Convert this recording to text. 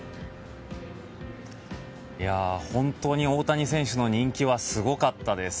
本当に大谷選手の人気はすごかったです。